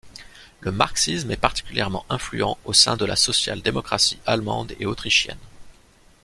Le marxisme est particulièrement influent au sein de la social-démocratie allemande et autrichienne.